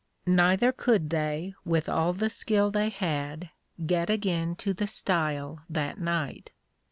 Neither could they, with all the skill they had, get again to the Stile that night.